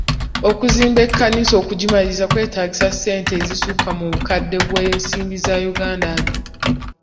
Okuzimba ekkanisa okugimaliriza kyetaagisa ssente ezisukka mu bukadde bw'ensimbi za Uganda abiri.